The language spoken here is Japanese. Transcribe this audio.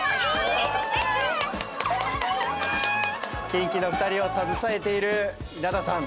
キンキの２人を携えている稲田さん。